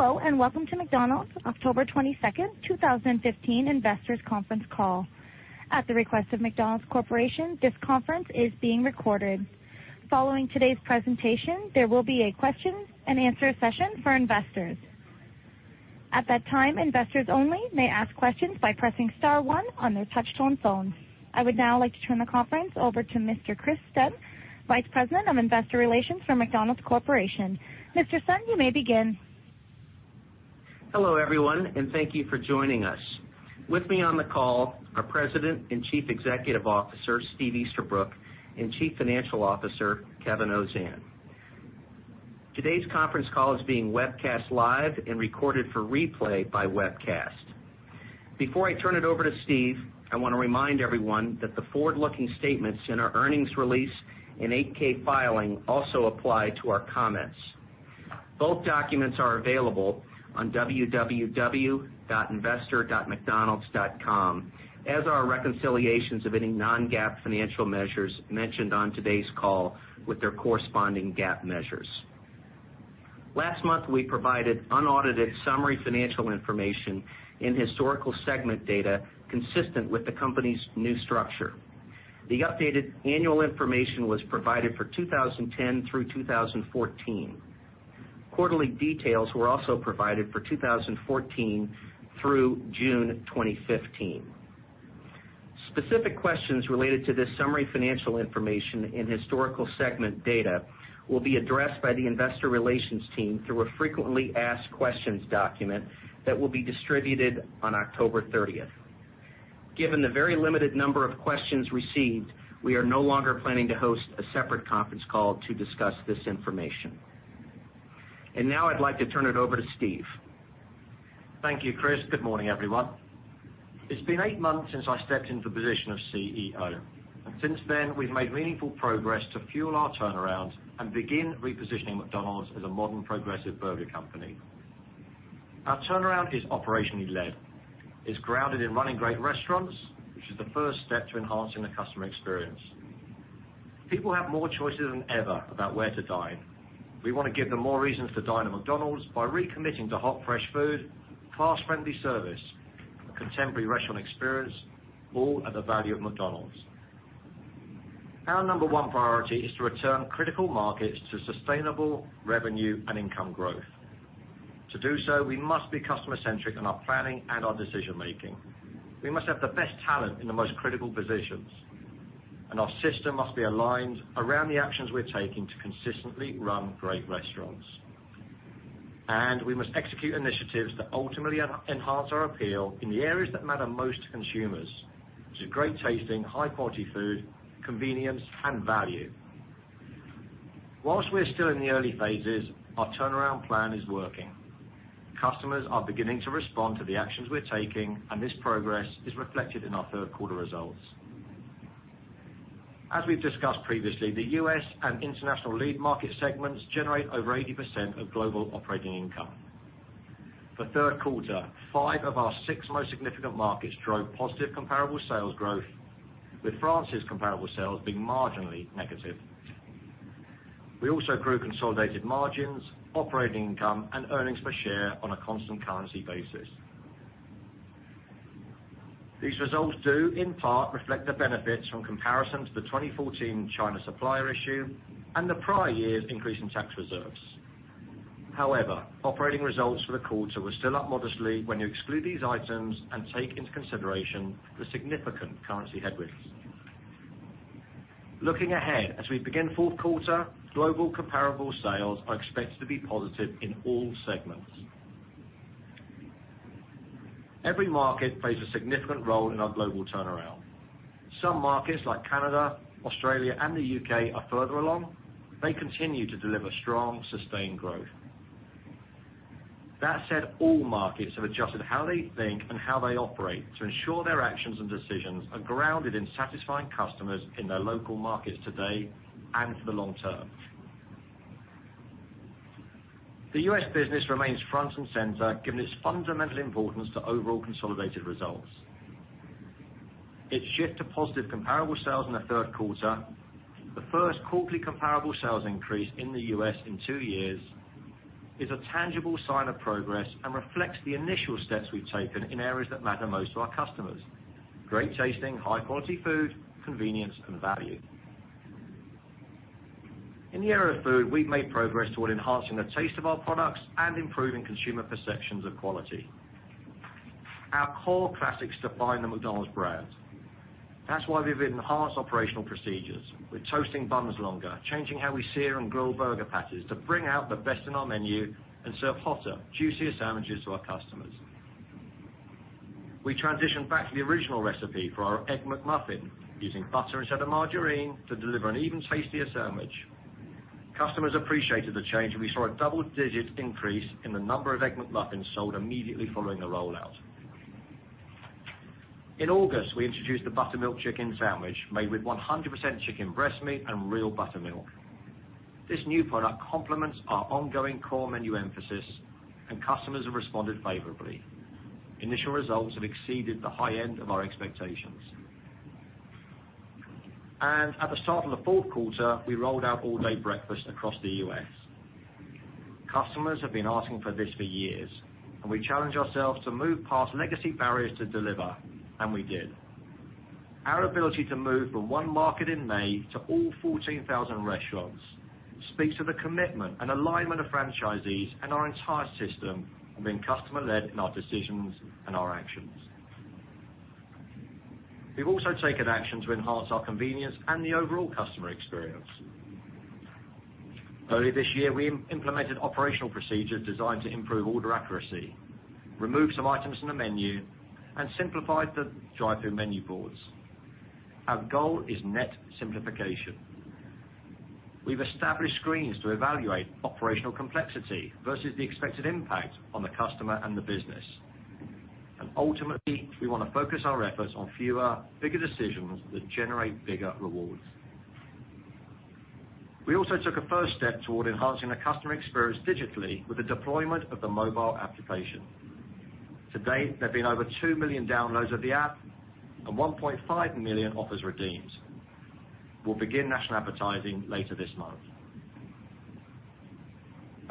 Hello, and welcome to McDonald's October 22nd, 2015 investors' conference call. At the request of McDonald's Corporation, this conference is being recorded. Following today's presentation, there will be a question and answer session for investors. At that time, investors only may ask questions by pressing star one on their touch-tone phones. I would now like to turn the conference over to Mr. Chris Kempczinski, Vice President, Investor Relations for McDonald's Corporation. Mr. Kempczinski, you may begin. Hello, everyone, and thank you for joining us. With me on the call are President and Chief Executive Officer, Steve Easterbrook, and Chief Financial Officer, Kevin Ozan. Today's conference call is being webcast live and recorded for replay by webcast. Before I turn it over to Steve, I want to remind everyone that the forward-looking statements in our earnings release and 8-K filing also apply to our comments. Both documents are available on www.investor.mcdonalds.com, as are reconciliations of any non-GAAP financial measures mentioned on today's call with their corresponding GAAP measures. Last month, we provided unaudited summary financial information in historical segment data consistent with the company's new structure. The updated annual information was provided for 2010 through 2014. Quarterly details were also provided for 2014 through June 2015. Specific questions related to this summary financial information in historical segment data will be addressed by the Investor Relations team through a frequently asked questions document that will be distributed on October 30th. Given the very limited number of questions received, we are no longer planning to host a separate conference call to discuss this information. Now I'd like to turn it over to Steve. Thank you, Chris. Good morning, everyone. It's been eight months since I stepped into the position of CEO, and since then, we've made meaningful progress to fuel our turnaround and begin repositioning McDonald's as a modern progressive burger company. Our turnaround is operationally led, is grounded in running great restaurants, which is the first step to enhancing the customer experience. People have more choices than ever about where to dine. We want to give them more reasons to dine at McDonald's by recommitting to hot, fresh food, fast, friendly service, a contemporary restaurant experience, all at the value of McDonald's. Our number one priority is to return critical markets to sustainable revenue and income growth. To do so, we must be customer-centric in our planning and our decision-making. We must have the best talent in the most critical positions, Our system must be aligned around the actions we're taking to consistently run great restaurants. We must execute initiatives that ultimately enhance our appeal in the areas that matter most to consumers. To great-tasting, high-quality food, convenience, and value. While we're still in the early phases, our turnaround plan is working. Customers are beginning to respond to the actions we're taking, and this progress is reflected in our third quarter results. As we've discussed previously, the U.S. and international lead market segments generate over 80% of global operating income. For third quarter, five of our six most significant markets drove positive comparable sales growth, with France's comparable sales being marginally negative. We also grew consolidated margins, operating income, and earnings per share on a constant currency basis. These results do in part reflect the benefits from comparisons to the 2014 China supplier issue and the prior year's increase in tax reserves. However, operating results for the quarter were still up modestly when you exclude these items and take into consideration the significant currency headwinds. Looking ahead, as we begin fourth quarter, global comparable sales are expected to be positive in all segments. Every market plays a significant role in our global turnaround. Some markets like Canada, Australia, and the U.K. are further along. They continue to deliver strong, sustained growth. That said, all markets have adjusted how they think and how they operate to ensure their actions and decisions are grounded in satisfying customers in their local markets today and for the long term. The U.S. business remains front and center, given its fundamental importance to overall consolidated results. Its shift to positive comparable sales in the third quarter, the first quarterly comparable sales increase in the U.S. in two years, is a tangible sign of progress and reflects the initial steps we've taken in areas that matter most to our customers: great-tasting, high-quality food, convenience, and value. In the area of food, we've made progress toward enhancing the taste of our products and improving consumer perceptions of quality. Our core classics define the McDonald's brand. That's why we've enhanced operational procedures. We're toasting buns longer, changing how we sear and grill burger patties to bring out the best in our menu and serve hotter, juicier sandwiches to our customers. We transitioned back to the original recipe for our Egg McMuffin, using butter instead of margarine to deliver an even tastier sandwich. Customers appreciated the change, We saw a double-digit increase in the number of Egg McMuffins sold immediately following the rollout. In August, we introduced the Buttermilk Chicken Sandwich made with 100% chicken breast meat and real buttermilk. This new product complements our ongoing core menu emphasis, Customers have responded favorably. Initial results have exceeded the high end of our expectations. At the start of the fourth quarter, we rolled out all-day breakfast across the U.S. Customers have been asking for this for years, We challenged ourselves to move past legacy barriers to deliver, We did. Our ability to move from one market in May to all 14,000 restaurants speaks to the commitment and alignment of franchisees and our entire system of being customer-led in our decisions and our actions. We've also taken action to enhance our convenience and the overall customer experience. Early this year, we implemented operational procedures designed to improve order accuracy, remove some items from the menu, and simplified the drive-thru menu boards. Our goal is net simplification. We've established screens to evaluate operational complexity versus the expected impact on the customer and the business. Ultimately, we want to focus our efforts on fewer, bigger decisions that generate bigger rewards. We also took a first step toward enhancing the customer experience digitally with the deployment of the mobile application. To date, there have been over 2 million downloads of the app and 1.5 million offers redeemed. We'll begin national advertising later this month.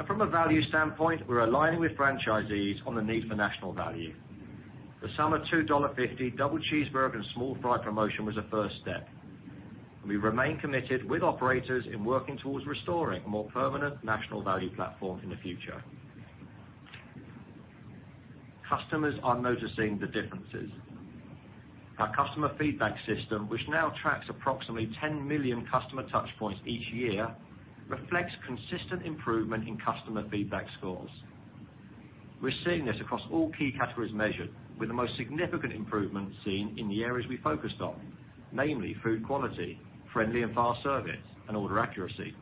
From a value standpoint, we're aligning with franchisees on the need for national value. The summer $2.50 double cheeseburger and small fry promotion was a first step, and we remain committed with operators in working towards restoring a more permanent national value platform in the future. Customers are noticing the differences. Our customer feedback system, which now tracks approximately 10 million customer touchpoints each year, reflects consistent improvement in customer feedback scores. We're seeing this across all key categories measured, with the most significant improvements seen in the areas we focused on, namely food quality, friendly and fast service, and order accuracy.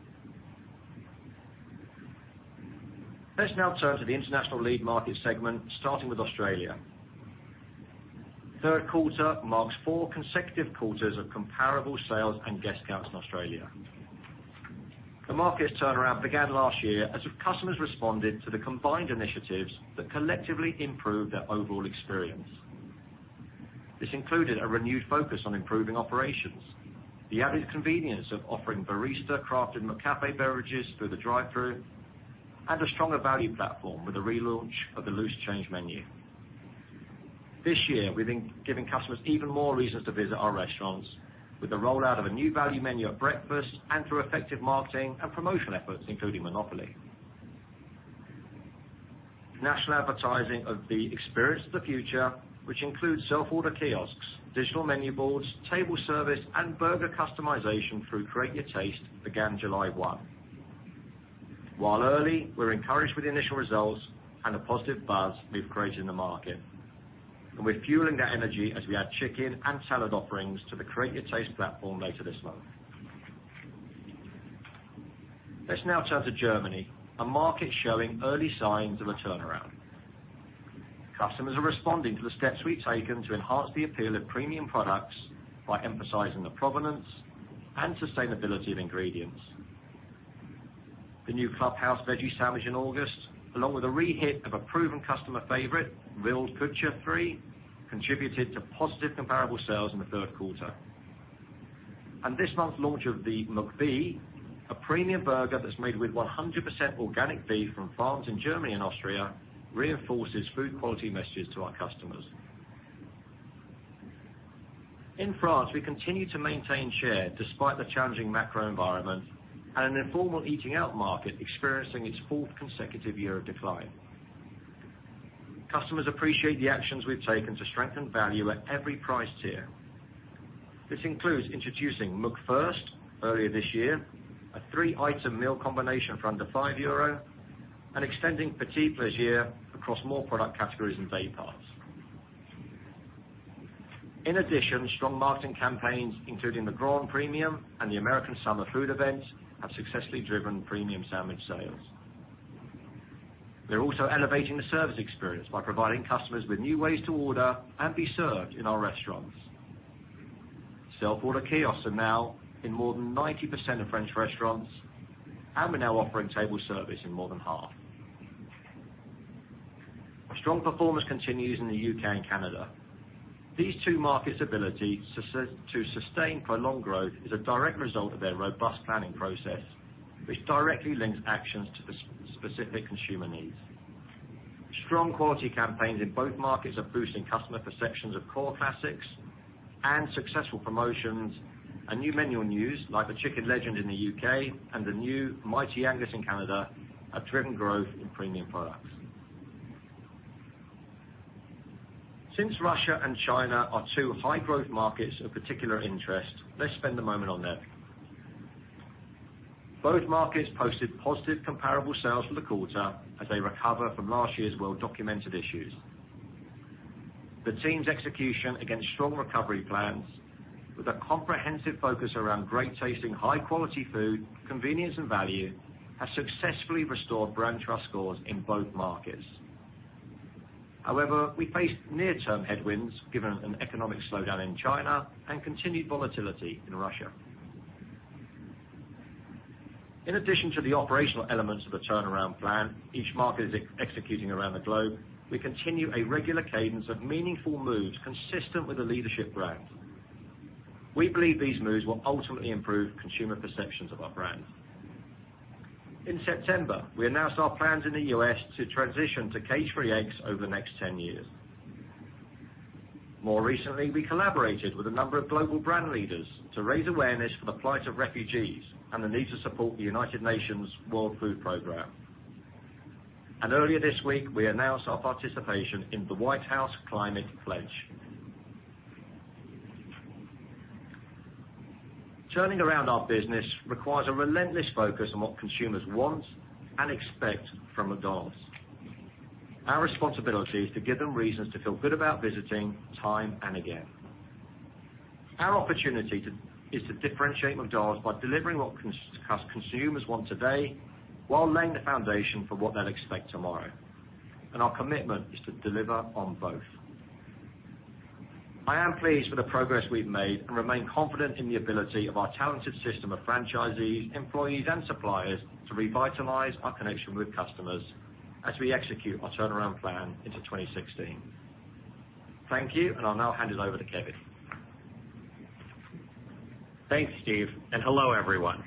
Let's now turn to the international lead market segment, starting with Australia. Third quarter marks four consecutive quarters of comparable sales and guest counts in Australia. The market's turnaround began last year as customers responded to the combined initiatives that collectively improved their overall experience. This included a renewed focus on improving operations, the added convenience of offering barista crafted McCafé beverages through the drive-thru, and a stronger value platform with the relaunch of the Loose Change Menu. This year, we've been giving customers even more reasons to visit our restaurants with the rollout of a new value menu at breakfast and through effective marketing and promotion efforts, including Monopoly. National advertising of the Experience of the Future, which includes self-order kiosks, digital menu boards, table service, and burger customization through Create Your Taste began July 1. While early, we're encouraged with the initial results and the positive buzz we've created in the market. We're fueling that energy as we add chicken and salad offerings to the Create Your Taste platform later this month. Let's now turn to Germany, a market showing early signs of a turnaround. Customers are responding to the steps we've taken to enhance the appeal of premium products by emphasizing the provenance and sustainability of ingredients. The new Veggie Clubhouse sandwich in August, along with a re-hit of a proven customer favorite, Grillküche, contributed to positive comparable sales in the third quarter. This month's launch of the McB, a premium burger that's made with 100% organic beef from farms in Germany and Austria, reinforces food quality messages to our customers. In France, we continue to maintain share despite the challenging macro environment and an informal eating out market experiencing its fourth consecutive year of decline. Customers appreciate the actions we've taken to strengthen value at every price tier. This includes introducing McFirst earlier this year, a three-item meal combination for under €5, and extending P'tits Plaisirs across more product categories and day parts. In addition, strong marketing campaigns, including the Grand Premium and the American Summer Food events, have successfully driven premium sandwich sales. We're also elevating the service experience by providing customers with new ways to order and be served in our restaurants. Self-order kiosks are now in more than 90% of French restaurants, and we're now offering table service in more than half. A strong performance continues in the U.K. and Canada. These two markets' ability to sustain prolonged growth is a direct result of their robust planning process, which directly links actions to specific consumer needs. Strong quality campaigns in both markets are boosting customer perceptions of core classics and successful promotions. A new menu news, like the Chicken Legend in the U.K. and the new Mighty Angus in Canada, have driven growth in premium products. Since Russia and China are two high-growth markets of particular interest, let's spend a moment on them. Both markets posted positive comparable sales for the quarter as they recover from last year's well-documented issues. The team's execution against strong recovery plans with a comprehensive focus around great tasting, high quality food, convenience, and value, has successfully restored brand trust scores in both markets. We face near term headwinds given an economic slowdown in China and continued volatility in Russia. In addition to the operational elements of the turnaround plan each market is executing around the globe, we continue a regular cadence of meaningful moves consistent with a leadership brand. We believe these moves will ultimately improve consumer perceptions of our brand. In September, we announced our plans in the U.S. to transition to cage-free eggs over the next 10 years. More recently, we collaborated with a number of global brand leaders to raise awareness for the plight of refugees and the need to support the United Nations World Food Programme. Earlier this week, we announced our participation in the White House Climate Pledge. Turning around our business requires a relentless focus on what consumers want and expect from McDonald's. Our responsibility is to give them reasons to feel good about visiting time and again. Our opportunity is to differentiate McDonald's by delivering what consumers want today, while laying the foundation for what they'll expect tomorrow. Our commitment is to deliver on both. I am pleased with the progress we've made and remain confident in the ability of our talented system of franchisees, employees, and suppliers to revitalize our connection with customers as we execute our turnaround plan into 2016. Thank you, and I'll now hand it over to Kevin. Thanks, Steve, and hello, everyone.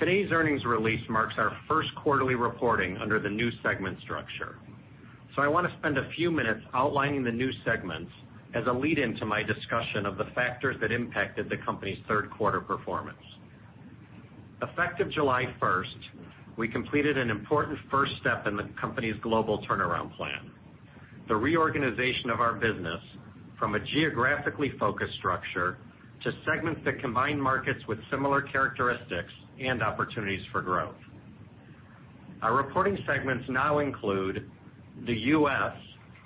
Today's earnings release marks our first quarterly reporting under the new segment structure. I want to spend a few minutes outlining the new segments as a lead-in to my discussion of the factors that impacted the company's third quarter performance. Effective July 1st, we completed an important first step in the company's global turnaround plan, the reorganization of our business from a geographically focused structure to segments that combine markets with similar characteristics and opportunities for growth. Our reporting segments now include the U.S.,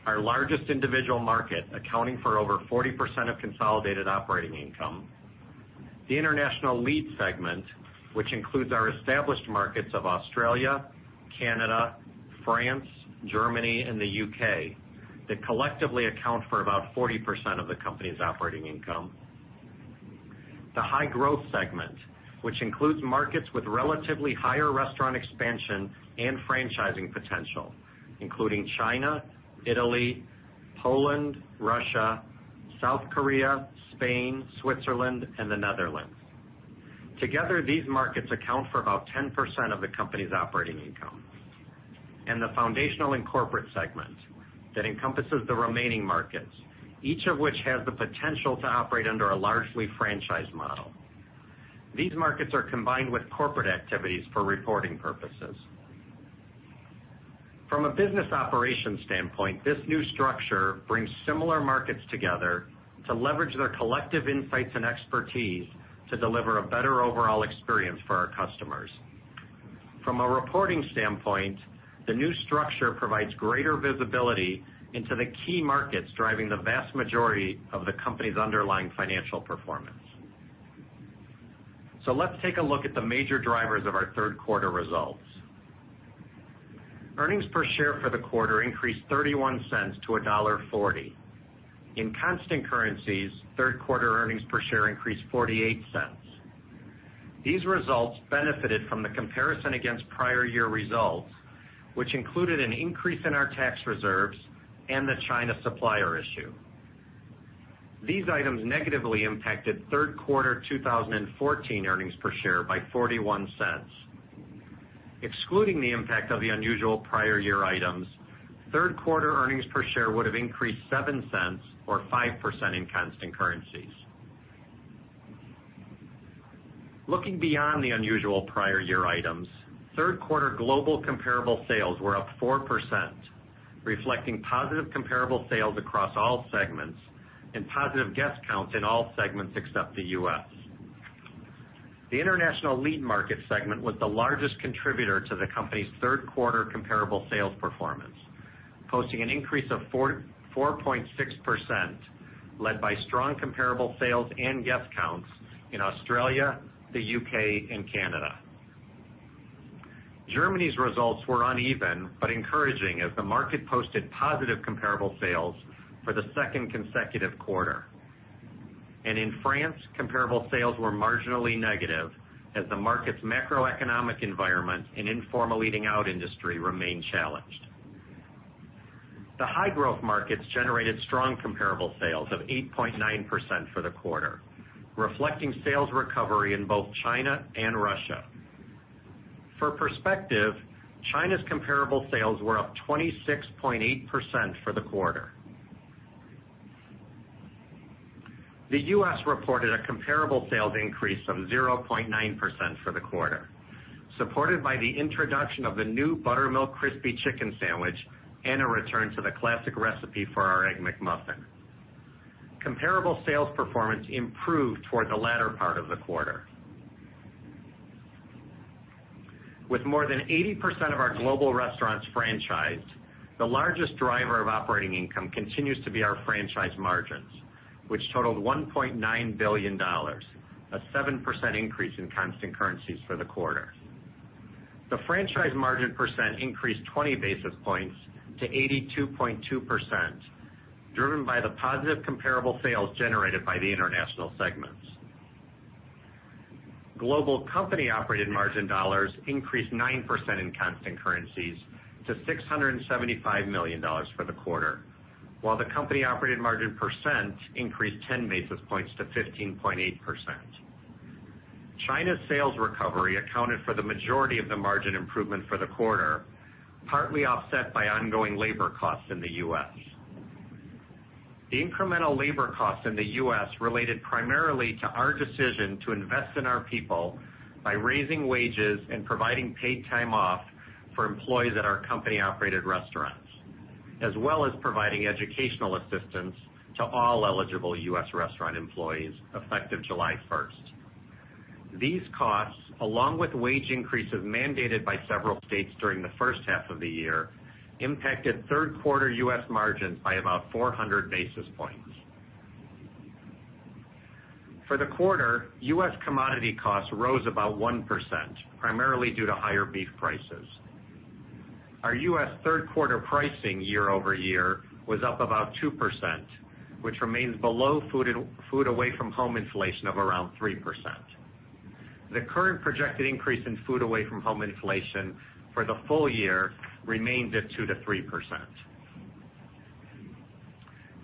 our largest individual market, accounting for over 40% of consolidated operating income. The international lead segment, which includes our established markets of Australia, Canada, France, Germany, and the U.K., that collectively account for about 40% of the company's operating income. The high-growth segment, which includes markets with relatively higher restaurant expansion and franchising potential, including China, Italy, Poland, Russia, South Korea, Spain, Switzerland, and the Netherlands. Together, these markets account for about 10% of the company's operating income. The foundational and corporate segment that encompasses the remaining markets, each of which has the potential to operate under a largely franchised model. These markets are combined with corporate activities for reporting purposes. From a business operations standpoint, this new structure brings similar markets together to leverage their collective insights and expertise to deliver a better overall experience for our customers. From a reporting standpoint, the new structure provides greater visibility into the key markets driving the vast majority of the company's underlying financial performance. Let's take a look at the major drivers of our third quarter results. Earnings per share for the quarter increased $0.31 to $1.40. In constant currencies, third quarter earnings per share increased $0.48. These results benefited from the comparison against prior year results, which included an increase in our tax reserves and the China supplier issue. These items negatively impacted third quarter 2014 earnings per share by $0.41. Excluding the impact of the unusual prior year items, third quarter earnings per share would have increased $0.07 or 5% in constant currencies. Looking beyond the unusual prior year items, third quarter global comparable sales were up 4%, reflecting positive comparable sales across all segments and positive guest counts in all segments except the U.S. The international lead market segment was the largest contributor to the company's third quarter comparable sales performance, posting an increase of 4.6%, led by strong comparable sales and guest counts in Australia, the U.K., and Canada. Germany's results were uneven but encouraging as the market posted positive comparable sales for the second consecutive quarter. In France, comparable sales were marginally negative as the market's macroeconomic environment and informal eating out industry remain challenged. The high-growth markets generated strong comparable sales of 8.9% for the quarter, reflecting sales recovery in both China and Russia. For perspective, China's comparable sales were up 26.8% for the quarter. The U.S. reported a comparable sales increase of 0.9% for the quarter, supported by the introduction of the new Buttermilk Crispy Chicken Sandwich and a return to the classic recipe for our Egg McMuffin. Comparable sales performance improved toward the latter part of the quarter. With more than 80% of our global restaurants franchised, the largest driver of operating income continues to be our franchise margins, which totaled $1.9 billion, a 7% increase in constant currencies for the quarter. The franchise margin % increased 20 basis points to 82.2%, driven by the positive comparable sales generated by the international segments. Global company-operated margin dollars increased 9% in constant currencies to $675 million for the quarter, while the company-operated margin % increased 10 basis points to 15.8%. China's sales recovery accounted for the majority of the margin improvement for the quarter, partly offset by ongoing labor costs in the U.S. The incremental labor costs in the U.S. related primarily to our decision to invest in our people by raising wages and providing paid time off for employees at our company-operated restaurants, as well as providing educational assistance to all eligible U.S. restaurant employees effective July 1st. These costs, along with wage increases mandated by several states during the first half of the year, impacted third quarter U.S. margins by about 400 basis points. For the quarter, U.S. commodity costs rose about 1%, primarily due to higher beef prices. Our U.S. third-quarter pricing year-over-year was up about 2%, which remains below food away from home inflation of around 3%. The current projected increase in food away from home inflation for the full year remains at 2%-3%.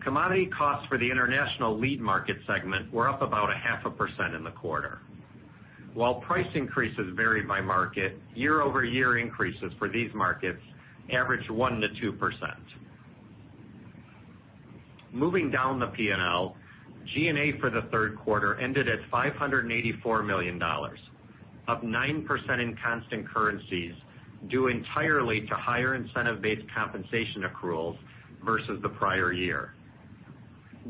Commodity costs for the international lead market segment were up about a half a % in the quarter. While price increases varied by market, year-over-year increases for these markets averaged 1%-2%. Moving down the P&L, G&A for the third quarter ended at $584 million, up 9% in constant currencies, due entirely to higher incentive-based compensation accruals versus the prior year.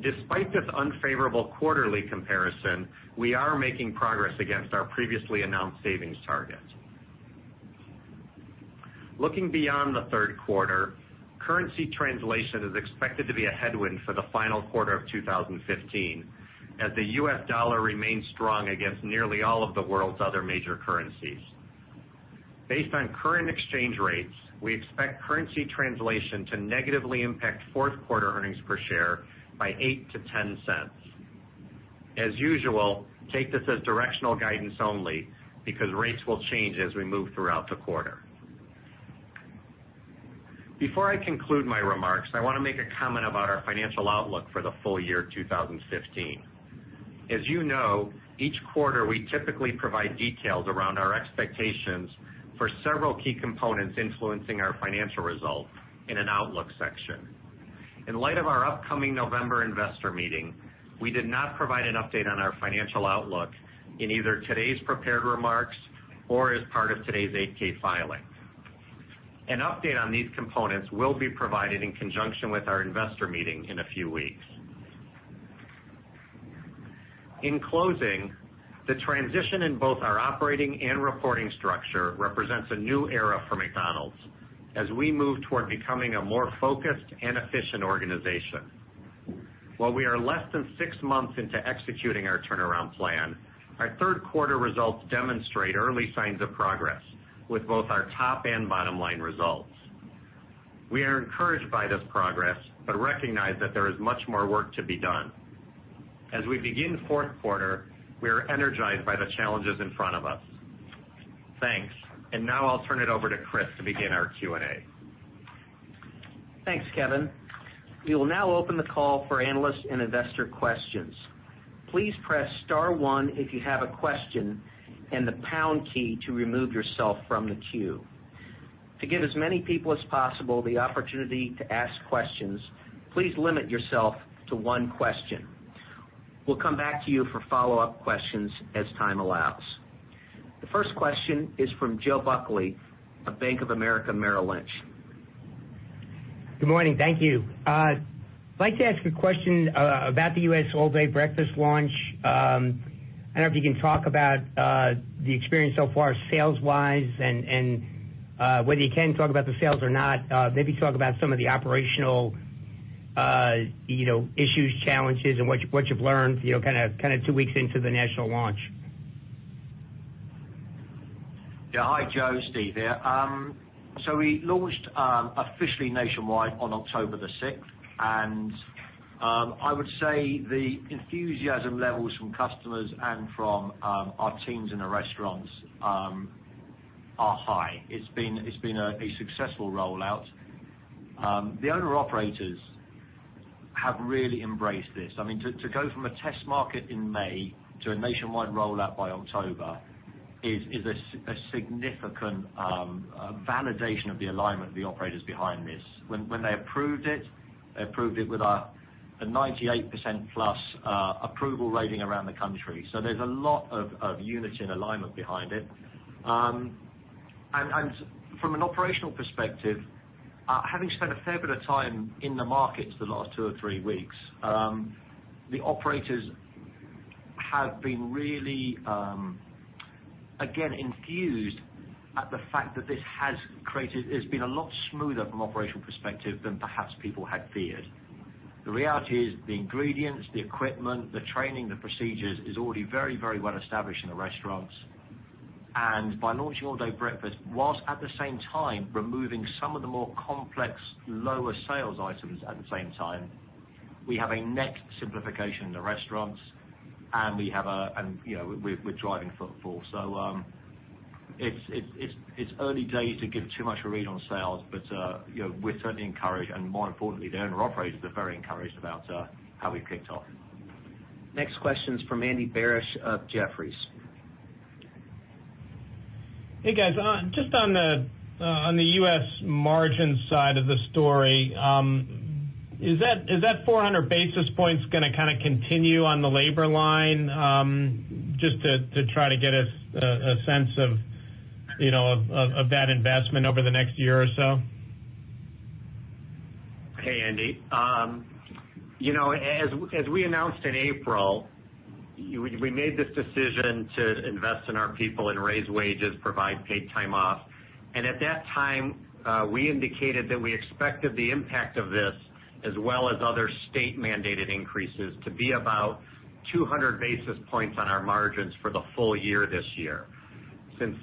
Despite this unfavorable quarterly comparison, we are making progress against our previously announced savings target. Looking beyond the third quarter, currency translation is expected to be a headwind for the final quarter of 2015, as the U.S. dollar remains strong against nearly all of the world's other major currencies. Based on current exchange rates, we expect currency translation to negatively impact fourth quarter earnings per share by $0.08-$0.10. As usual, take this as directional guidance only because rates will change as we move throughout the quarter. Before I conclude my remarks, I want to make a comment about our financial outlook for the full year 2015. As you know, each quarter we typically provide details around our expectations for several key components influencing our financial results in an outlook section. In light of our upcoming November investor meeting, we did not provide an update on our financial outlook in either today's prepared remarks or as part of today's 8-K filing. An update on these components will be provided in conjunction with our investor meeting in a few weeks. In closing, the transition in both our operating and reporting structure represents a new era for McDonald's as we move toward becoming a more focused and efficient organization. While we are less than six months into executing our turnaround plan, our third-quarter results demonstrate early signs of progress with both our top and bottom-line results. We are encouraged by this progress but recognize that there is much more work to be done. Now I'll turn it over to Chris to begin our Q&A. Thanks, Kevin. We will now open the call for analyst and investor questions. Please press star one if you have a question and the pound key to remove yourself from the queue. To give as many people as possible the opportunity to ask questions, please limit yourself to one question. We'll come back to you for follow-up questions as time allows. The first question is from Jill Buckley of Bank of America Merrill Lynch. Good morning. Thank you. I'd like to ask a question about the U.S. All Day Breakfast launch. I don't know if you can talk about the experience so far sales-wise and whether you can talk about the sales or not, maybe talk about some of the operational issues, challenges, and what you've learned, kind of two weeks into the national launch. Yeah. Hi, Jill. Steve here. We launched officially nationwide on October the 6th, I would say the enthusiasm levels from customers and from our teams in the restaurants are high. It's been a successful rollout. The owner-operators have really embraced this. I mean, to go from a test market in May to a nationwide rollout by October is a significant validation of the alignment of the operators behind this. When they approved it, they approved it with a 98%-plus approval rating around the country. There's a lot of unity and alignment behind it. From an operational perspective, having spent a fair bit of time in the markets the last two or three weeks, the operators have been really, again, enthused at the fact that this has been a lot smoother from an operational perspective than perhaps people had feared. The reality is the ingredients, the equipment, the training, the procedures is already very well established in the restaurants. By launching All Day Breakfast, whilst at the same time removing some of the more complex, lower sales items at the same time, we have a net simplification in the restaurants, and we're driving footfall. It's early days to give too much read on sales. We're certainly encouraged, and more importantly, the owner-operators are very encouraged about how we've kicked off. Next question's from Andy Barish of Jefferies. Hey, guys. Just on the U.S. margin side of the story, is that 400 basis points going to kind of continue on the labor line? Just to try to get a sense of that investment over the next year or so. Hey, Andy. As we announced in April, we made this decision to invest in our people and raise wages, provide paid time off. At that time, we indicated that we expected the impact of this, as well as other state-mandated increases, to be about 200 basis points on our margins for the full year this year. Since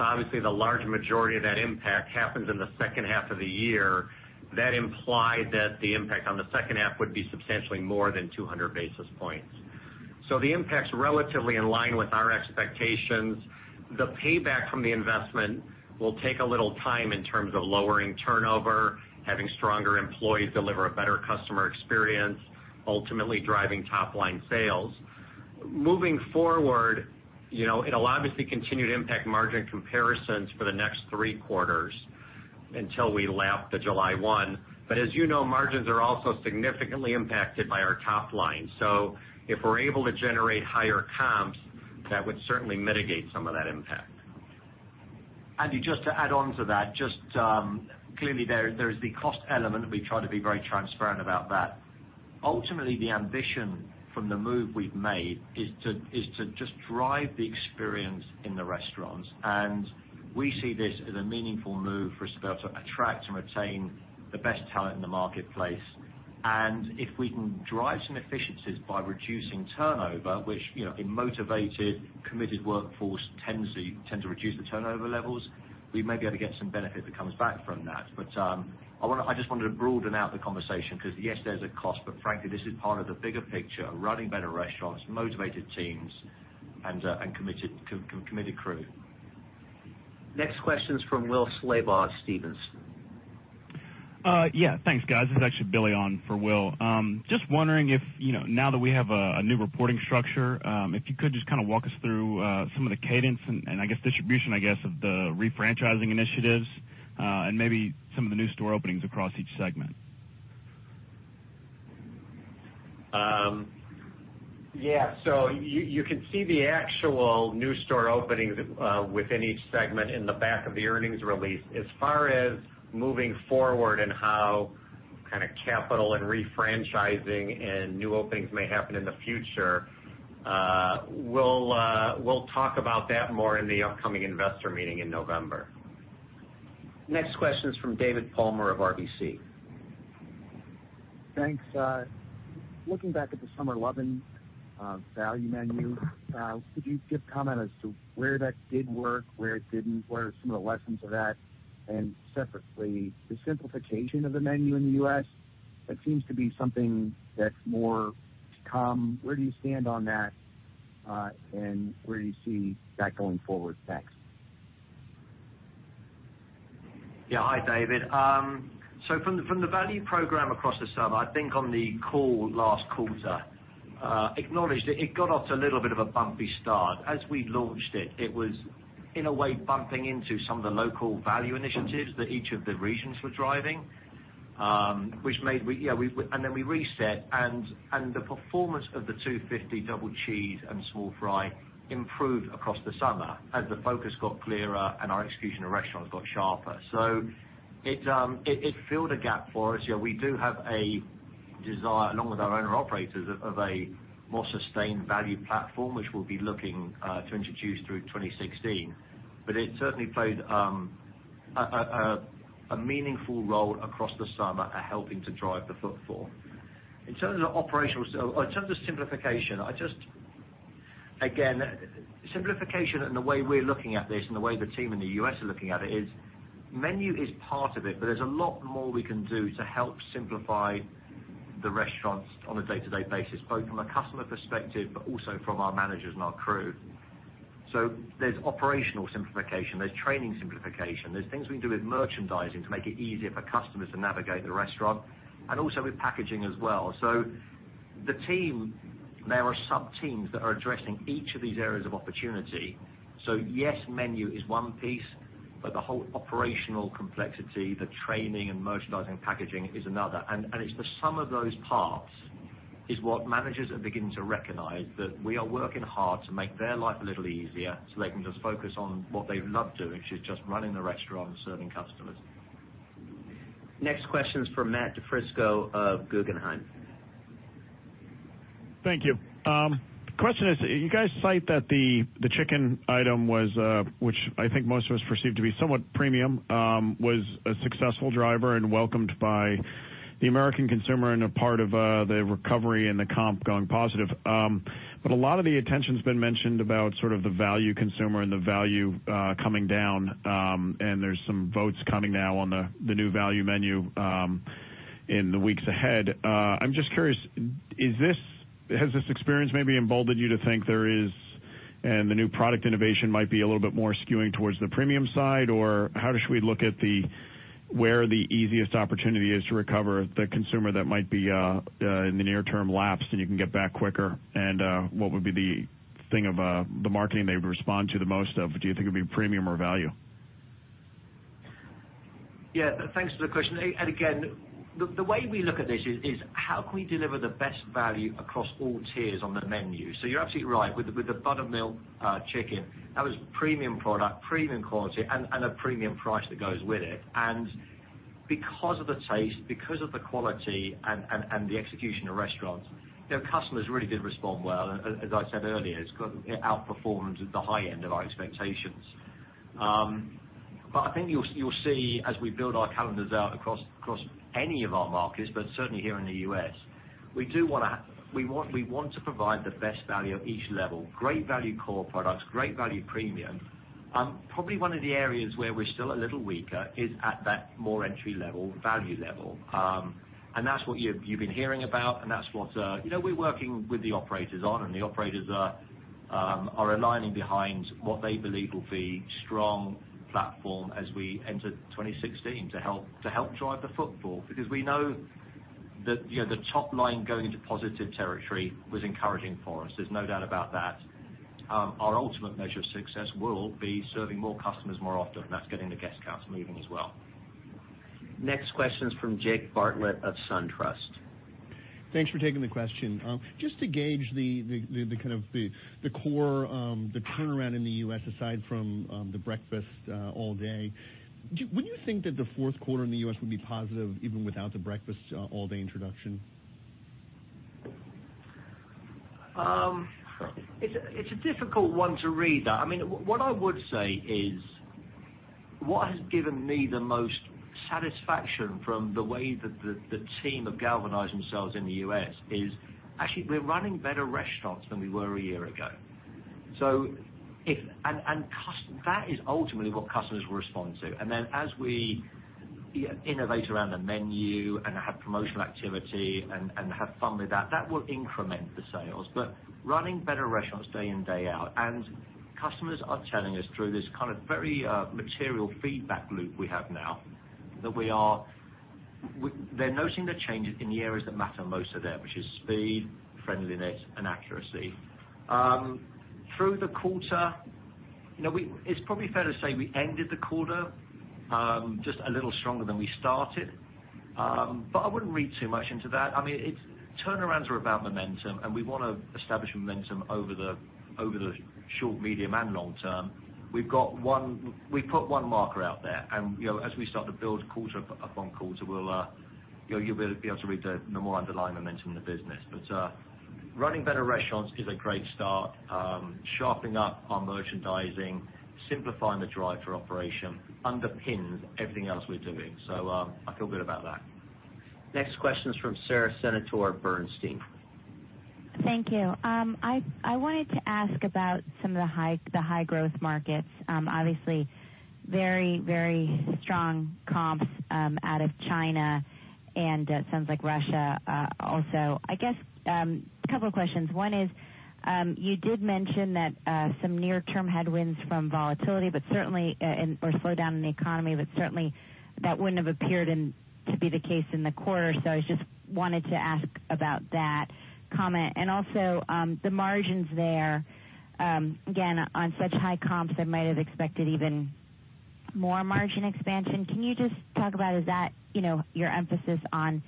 obviously the large majority of that impact happens in the second half of the year, that implied that the impact on the second half would be substantially more than 200 basis points. The impact's relatively in line with our expectations. The payback from the investment will take a little time in terms of lowering turnover, having stronger employees deliver a better customer experience, ultimately driving top-line sales. Moving forward, it'll obviously continue to impact margin comparisons for the next three quarters until we lap the July 1. As you know, margins are also significantly impacted by our top line. If we're able to generate higher comps, that would certainly mitigate some of that impact. Andy, just to add onto that, clearly there is the cost element, we try to be very transparent about that. Ultimately, the ambition from the move we've made is to just drive the experience in the restaurants. We see this as a meaningful move for us to be able to attract and retain the best talent in the marketplace. If we can drive some efficiencies by reducing turnover, which a motivated, committed workforce tends to reduce the turnover levels, we may be able to get some benefit that comes back from that. I just wanted to broaden out the conversation because, yes, there's a cost, frankly, this is part of the bigger picture of running better restaurants, motivated teams, and committed crew. Next question's from Will Slabaugh of Stephens. Yeah. Thanks, guys. This is actually Billy on for Will. Just wondering if now that we have a new reporting structure, if you could just kind of walk us through some of the cadence and I guess distribution of the refranchising initiatives, and maybe some of the new store openings across each segment. Yeah. You can see the actual new store openings within each segment in the back of the earnings release. As far as moving forward and how kind of capital and refranchising and new openings may happen in the future, we'll talk about that more in the upcoming investor meeting in November. Next question is from David Palmer of RBC. Thanks. Looking back at the Summer Loving value menu, could you give comment as to where that did work, where it didn't, what are some of the lessons of that? Separately, the simplification of the menu in the U.S., that seems to be something that's more to come. Where do you stand on that, and where do you see that going forward? Thanks. Yeah. Hi, David. From the value program across the summer, I think on the call last quarter, acknowledged that it got off to a little bit of a bumpy start. As we launched it was in a way bumping into some of the local value initiatives that each of the regions were driving. Then we reset, and the performance of the $2.50 double cheese and small fry improved across the summer as the focus got clearer and our execution of restaurants got sharper. It filled a gap for us. We do have a desire, along with our owner operators, of a more sustained value platform, which we'll be looking to introduce through 2016. But it certainly played a meaningful role across the summer at helping to drive the footfall. In terms of simplification, again, simplification and the way we're looking at this, and the way the team in the U.S. are looking at it is, menu is part of it, but there's a lot more we can do to help simplify the restaurants on a day-to-day basis, both from a customer perspective, but also from our managers and our crew. There's operational simplification, there's training simplification, there's things we can do with merchandising to make it easier for customers to navigate the restaurant, and also with packaging as well. The team, there are sub-teams that are addressing each of these areas of opportunity. Yes, menu is one piece, but the whole operational complexity, the training and merchandising, packaging is another. It's the sum of those parts is what managers are beginning to recognize that we are working hard to make their life a little easier so they can just focus on what they love doing, which is just running the restaurant and serving customers. Next question's from Matthew DiFrisco of Guggenheim. Thank you. Question is, you guys cite that the Buttermilk Chicken item, which I think most of us perceive to be somewhat premium, was a successful driver and welcomed by the American consumer and a part of the recovery and the comp going positive. A lot of the attention's been mentioned about sort of the value consumer and the value coming down, and there's some votes coming now on the new value menu in the weeks ahead. I'm just curious, has this experience maybe emboldened you to think there is, and the new product innovation might be a little bit more skewing towards the premium side? How should we look at where the easiest opportunity is to recover the consumer that might be, in the near term, lapsed, and you can get back quicker? What would be the thing of the marketing they would respond to the most of? Do you think it'd be premium or value? Yeah. Thanks for the question. Again, the way we look at this is how can we deliver the best value across all tiers on the menu. You're absolutely right, with the Buttermilk Chicken, that was premium product, premium quality, and a premium price that goes with it. Because of the taste, because of the quality, and the execution of restaurants, their customers really did respond well. As I said earlier, it outperformed at the high end of our expectations. I think you'll see as we build our calendars out across any of our markets, but certainly here in the U.S., we want to provide the best value at each level. Great value core products, great value premium. Probably one of the areas where we're still a little weaker is at that more entry level, value level. That's what you've been hearing about and that's what we're working with the operators on, and the operators are aligning behind what they believe will be strong platform as we enter 2016 to help drive the footfall. We know that the top line going into positive territory was encouraging for us. There's no doubt about that. Our ultimate measure of success will be serving more customers more often, and that's getting the guest count moving as well. Next question's from Jake Bartlett of SunTrust. Thanks for taking the question. Just to gauge the core, the turnaround in the U.S., aside from the breakfast all-day, would you think that the fourth quarter in the U.S. would be positive even without the breakfast all-day introduction? It's a difficult one to read, that. What I would say is what has given me the most satisfaction from the way that the team have galvanized themselves in the U.S. is, actually, we're running better restaurants than we were a year ago. That is ultimately what customers will respond to. Then as we innovate around a menu and have promotional activity and have fun with that will increment the sales. Running better restaurants day in, day out, and customers are telling us through this very material feedback loop we have now, that they're noting the changes in the areas that matter most to them, which is speed, friendliness, and accuracy. Through the quarter, it's probably fair to say we ended the quarter just a little stronger than we started. I wouldn't read too much into that. Turnarounds are about momentum. We want to establish momentum over the short, medium, and long term. We've put one marker out there and, as we start to build quarter upon quarter, you'll be able to read the more underlying momentum in the business. Running better restaurants is a great start. Sharpening up our merchandising, simplifying the drive-thru operation, underpins everything else we're doing. I feel good about that. Next question's from Sara Senatore at Bernstein. Thank you. I wanted to ask about some of the high growth markets. Obviously very strong comps out of China and sounds like Russia also. I guess, couple of questions. One is, you did mention that some near-term headwinds from volatility, or slowdown in the economy, certainly that wouldn't have appeared to be the case in the quarter. I just wanted to ask about that comment. Also, the margins there, again, on such high comps, I might have expected even more margin expansion. Can you just talk about, is that your emphasis on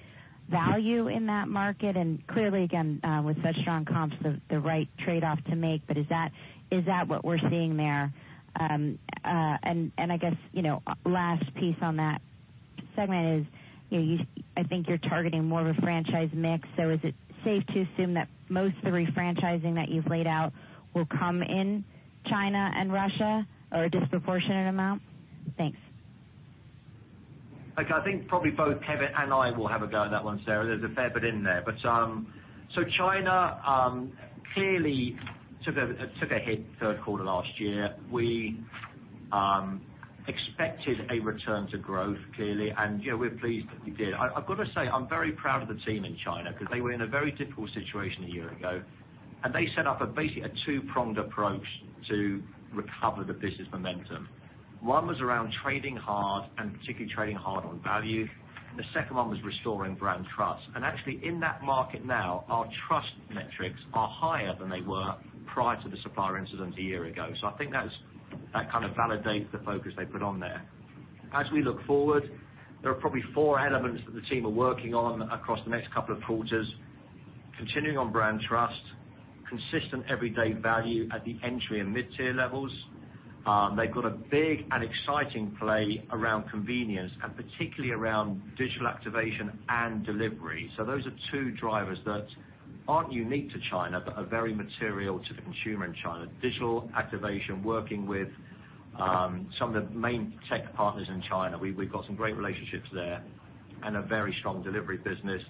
value in that market? Clearly, again, with such strong comps, the right trade-off to make, but is that what we're seeing there? I guess, last piece on that segment is, I think you're targeting more of a franchise mix, is it safe to assume that most of the refranchising that you've laid out will come in China and Russia at a disproportionate amount? Thanks. Okay. I think probably both Kevin and I will have a go at that one, Sara. There's a fair bit in there. China clearly took a hit third quarter last year. We expected a return to growth, clearly, and we're pleased that we did. I've got to say, I'm very proud of the team in China because they were in a very difficult situation a year ago, and they set up basically a two-pronged approach to recover the business momentum. One was around trading hard, and particularly trading hard on value. The second one was restoring brand trust. Actually in that market now, our trust metrics are higher than they were prior to the supplier incident a year ago. I think that kind of validates the focus they put on there. As we look forward, there are probably four elements that the team are working on across the next couple of quarters. Continuing on brand trust Consistent everyday value at the entry and mid-tier levels. They've got a big and exciting play around convenience, and particularly around digital activation and delivery. Those are two drivers that aren't unique to China but are very material to the consumer in China. Digital activation, working with some of the main tech partners in China. We've got some great relationships there, and a very strong delivery business.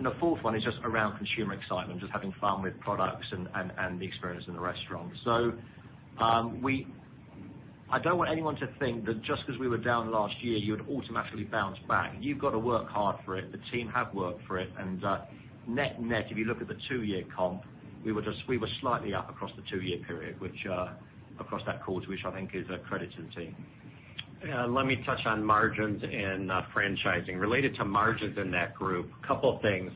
The fourth one is just around consumer excitement, just having fun with products and the experience in the restaurant. I don't want anyone to think that just because we were down last year, you would automatically bounce back. You've got to work hard for it. The team have worked for it. Net-net, if you look at the two-year comp, we were slightly up across the two-year period, across that quarter, which I think is a credit to the team. Let me touch on margins and franchising. Related to margins in that group, couple of things.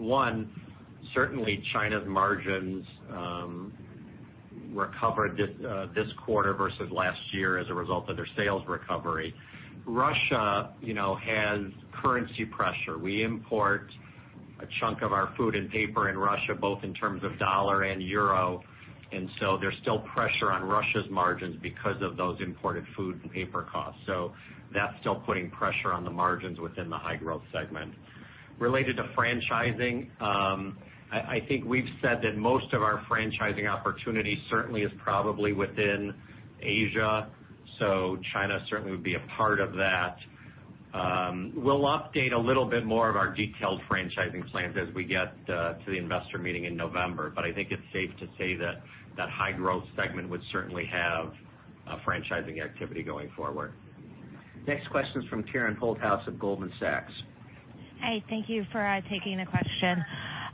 One, certainly China's margins recovered this quarter versus last year as a result of their sales recovery. Russia has currency pressure. We import a chunk of our food and paper in Russia, both in terms of dollar and euro. There's still pressure on Russia's margins because of those imported food and paper costs. That's still putting pressure on the margins within the high-growth segment. Related to franchising, I think we've said that most of our franchising opportunity certainly is probably within Asia. China certainly would be a part of that. We'll update a little bit more of our detailed franchising plans as we get to the investor meeting in November. I think it's safe to say that that high-growth segment would certainly have franchising activity going forward. Next question's from Karen Holthouse at Goldman Sachs. Hi. Thank you for taking the question.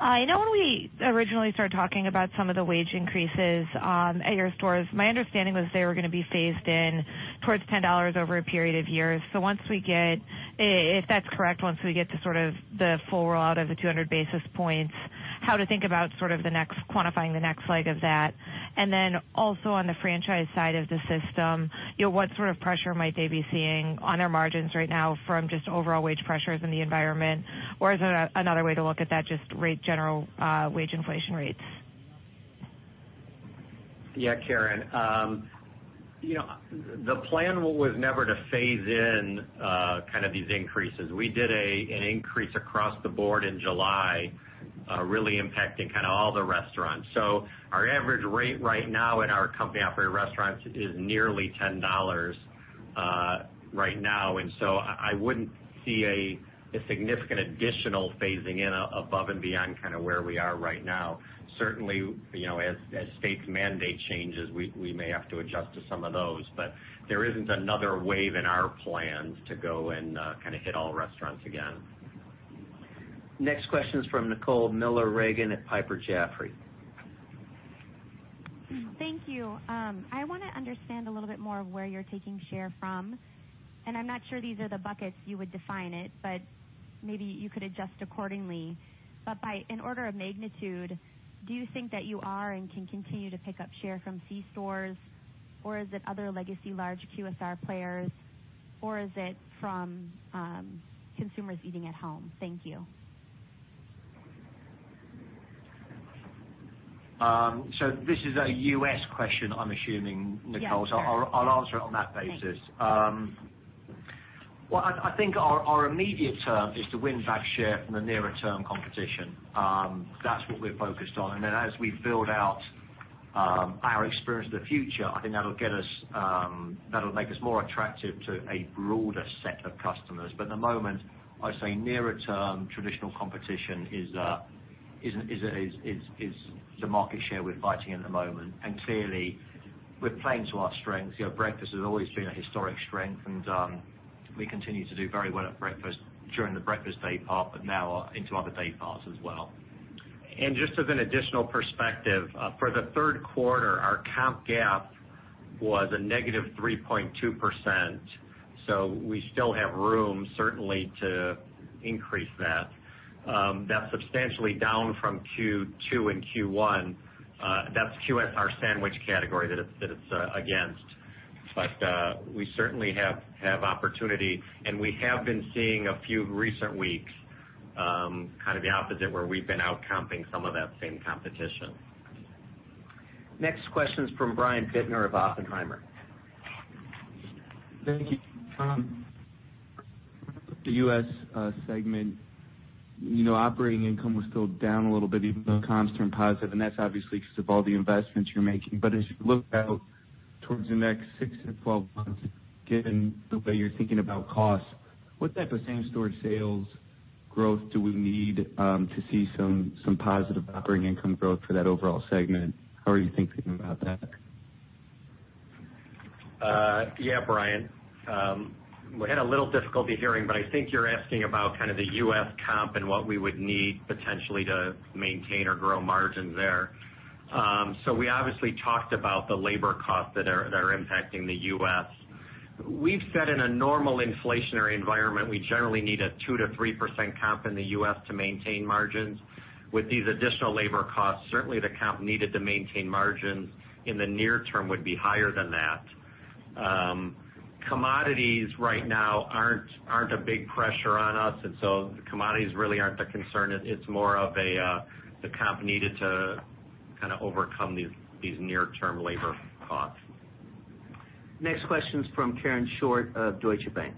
I know when we originally started talking about some of the wage increases at your stores, my understanding was they were going to be phased in towards $10 over a period of years. If that's correct, once we get to sort of the full rollout of the 200 basis points, how to think about quantifying the next leg of that? Also on the franchise side of the system, what sort of pressure might they be seeing on their margins right now from just overall wage pressures in the environment? Is it another way to look at that, just general wage inflation rates? Yeah, Karen. The plan was never to phase in these increases. We did an increase across the board in July, really impacting all the restaurants. Our average rate right now in our company-operated restaurants is nearly $10 right now, I wouldn't see a significant additional phasing in above and beyond where we are right now. Certainly, as states mandate changes, we may have to adjust to some of those, there isn't another wave in our plans to go and hit all restaurants again. Next question's from Nicole Miller Regan at Piper Jaffray. Thank you. I want to understand a little bit more of where you're taking share from, I'm not sure these are the buckets you would define it, but maybe you could adjust accordingly. By an order of magnitude, do you think that you are and can continue to pick up share from C stores, or is it other legacy large QSR players, or is it from consumers eating at home? Thank you. This is a U.S. question, I'm assuming, Nicole? Yes. I'll answer it on that basis. Thank you. I think our immediate term is to win back share from the nearer term competition. That's what we're focused on. As we build out our Experience of the Future, I think that'll make us more attractive to a broader set of customers. At the moment, I'd say nearer term, traditional competition is the market share we're fighting at the moment. Clearly, we're playing to our strengths here. Breakfast has always been a historic strength, and we continue to do very well at breakfast during the breakfast day part, but now into other day parts as well. Just as an additional perspective, for the third quarter, our comp gap was a negative 3.2%, we still have room certainly to increase that. That's substantially down from Q2 and Q1. That's QSR sandwich category that it's against. We certainly have opportunity, and we have been seeing a few recent weeks, kind of the opposite, where we've been out-comping some of that same competition. Next question's from Brian Bittner of Oppenheimer. Thank you. Tom, the U.S. segment operating income was still down a little bit even though comps turned positive, that's obviously because of all the investments you're making. As you look out towards the next 6 to 12 months, given the way you're thinking about costs, what type of same-store sales growth do we need to see some positive operating income growth for that overall segment? How are you thinking about that? Yeah, Brian. I had a little difficulty hearing, but I think you're asking about the U.S. comp and what we would need potentially to maintain or grow margin there. We obviously talked about the labor costs that are impacting the U.S. We've said in a normal inflationary environment, we generally need a 2%-3% comp in the U.S. to maintain margins. With these additional labor costs, certainly the comp needed to maintain margins in the near term would be higher than that. Commodities right now aren't a big pressure on us. Commodities really aren't the concern. It's more of the comp needed to overcome these near-term labor costs. Next question's from Karen Short of Deutsche Bank.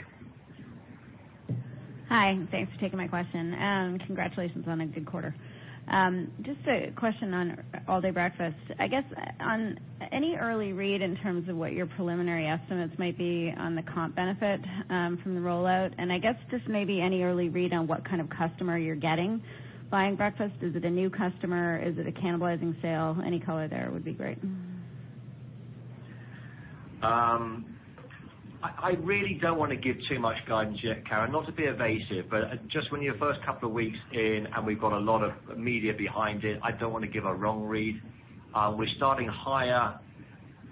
Hi. Thanks for taking my question. Congratulations on a good quarter. Just a question on all-day breakfast. I guess on any early read in terms of what your preliminary estimates might be on the comp benefit from the rollout. I guess just maybe any early read on what kind of customer you're getting buying breakfast. Is it a new customer? Is it a cannibalizing sale? Any color there would be great. I really don't want to give too much guidance yet, Karen. Not to be evasive, just when you're first couple of weeks in. We've got a lot of media behind it, I don't want to give a wrong read. We're starting higher,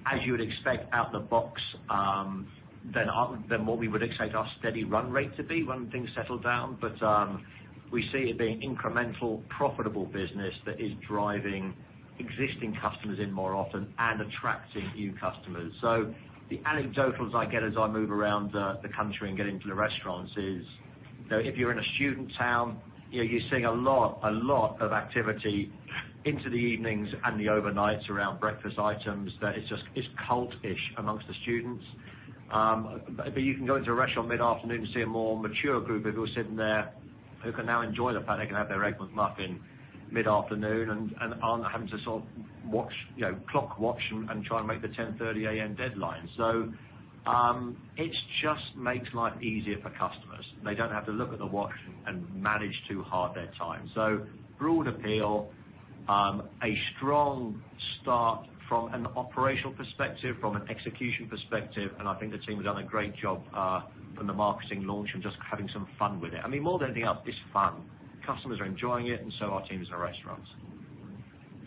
as you would expect out the box, than what we would expect our steady run rate to be when things settle down. We see it being incremental, profitable business that is driving existing customers in more often and attracting new customers. The anecdotals I get as I move around the country and get into the restaurants is, if you're in a student town, you're seeing a lot of activity into the evenings and the overnights around breakfast items that it's cultish amongst the students. You can go into a restaurant mid-afternoon and see a more mature group of people sitting there who can now enjoy the fact they can have their Egg McMuffin mid-afternoon and aren't having to sort of clock-watch and try and make the 10:30 A.M. deadline. It just makes life easier for customers. They don't have to look at the watch and manage too hard their time. Broad appeal, a strong start from an operational perspective, from an execution perspective, and I think the team has done a great job from the marketing launch and just having some fun with it. I mean, more than anything else, it's fun. Customers are enjoying it, and so are teams in our restaurants.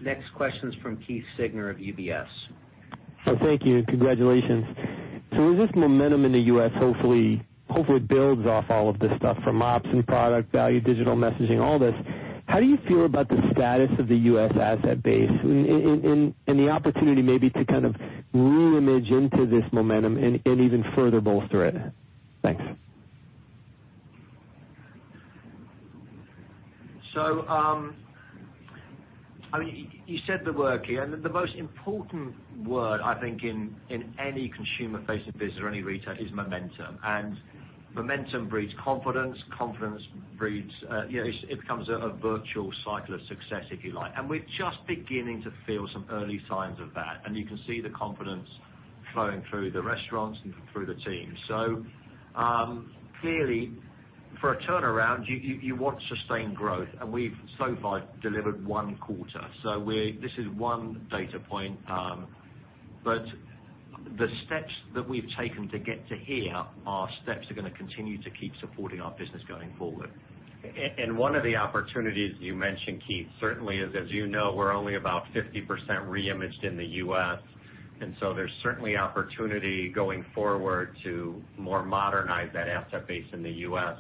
Next question's from Keith Siegner of UBS. Thank you. Congratulations. As this momentum in the U.S. hopefully builds off all of this stuff from ops and product value, digital messaging, all this, how do you feel about the status of the U.S. asset base and the opportunity maybe to kind of re-image into this momentum and even further bolster it? Thanks. You said the word, Keith. The most important word, I think, in any consumer-facing business or any retail is momentum. Momentum breeds confidence. Confidence breeds, it becomes a virtual cycle of success, if you like. We're just beginning to feel some early signs of that. You can see the confidence flowing through the restaurants and through the teams. Clearly, for a turnaround, you want sustained growth, and we've so far delivered one quarter. This is one data point. The steps that we've taken to get to here are steps that are going to continue to keep supporting our business going forward. One of the opportunities you mentioned, Keith, certainly is, as you know, we're only about 50% re-imaged in the U.S., and so there's certainly opportunity going forward to more modernize that asset base in the U.S.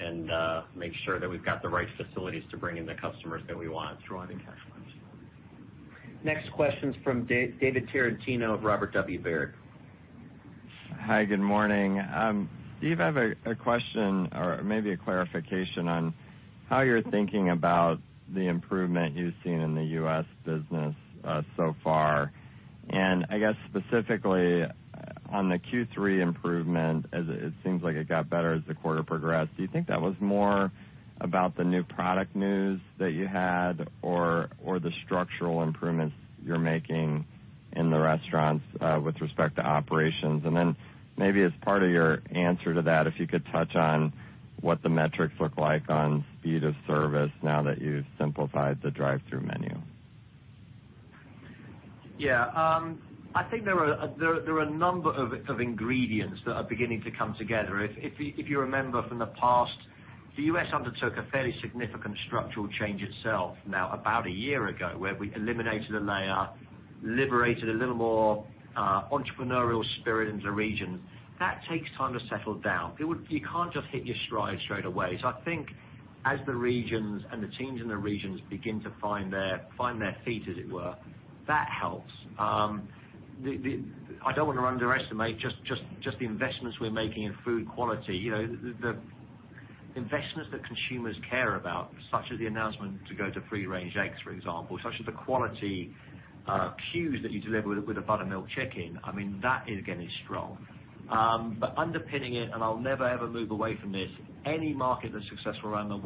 and make sure that we've got the right facilities to bring in the customers that we want. Drawing attachments. Next question's from David Tarantino of Robert W. Baird. Hi, good morning. Steve, I have a question or maybe a clarification on how you're thinking about the improvement you've seen in the U.S. business so far. I guess specifically on the Q3 improvement, as it seems like it got better as the quarter progressed. Do you think that was more about the new product news that you had or the structural improvements you're making in the restaurants with respect to operations? Maybe as part of your answer to that, if you could touch on what the metrics look like on speed of service now that you've simplified the drive-thru menu. Yeah. I think there are a number of ingredients that are beginning to come together. If you remember from the past, the U.S. undertook a fairly significant structural change itself now about a year ago, where we eliminated a layer, liberated a little more entrepreneurial spirit into the region. That takes time to settle down. You can't just hit your stride straight away. I think as the regions and the teams in the regions begin to find their feet, as it were, that helps. I don't want to underestimate just the investments we're making in food quality. The investments that consumers care about, such as the announcement to go to free-range eggs, for example, such as the quality cues that you deliver with a Buttermilk Chicken, I mean, that is getting strong. Underpinning it, and I'll never, ever move away from this, any market that's successful around the